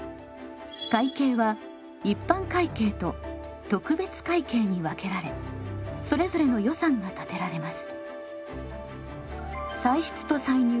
会計は一般会計と特別会計に分けられそれぞれの予算が立てられます。